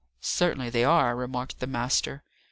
"Certainly they are," remarked the master.